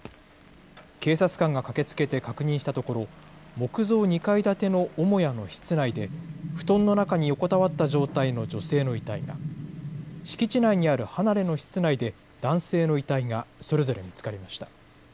警察官が駆けつけて確認したところ、木造２階建ての母屋の室内で、布団の中に横たわった状態の女性の遺体が、敷地内にある離れの室内で男性の遺体が、それぞれ見つかりました。